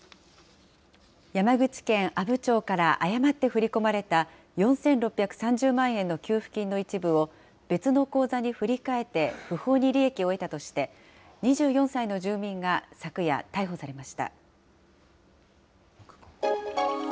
山口県阿武町から誤って振り込まれた４６３０万円の給付金の一部を、別の口座に振り替えて、不法に利益を得たとして、２４歳の住民が昨夜、逮捕されました。